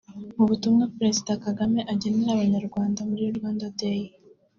Mu butumwa Perezida Kagame agenera Abanyarwanda muri Rwanda Day